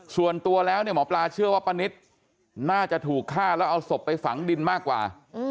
ส่วนตัวแล้วเนี่ยหมอปลาเชื่อว่าป้านิตน่าจะถูกฆ่าแล้วเอาศพไปฝังดินมากกว่า